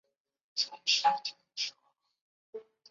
可是赫华勒没有把诅咒放在心上。